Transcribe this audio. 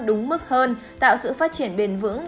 đúng mức hơn tạo sự phát triển bền vững